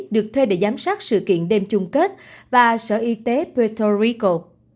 được thuê để giám sát sự kiện đêm chung kết và sở y tế petro rico